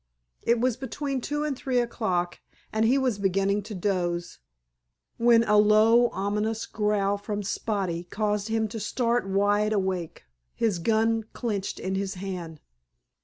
It was between two and three o'clock, and he was beginning to doze, when a low, ominous growl from Spotty caused him to start wide awake, his gun clenched in his hand.